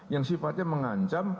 yang sifatnya mengancam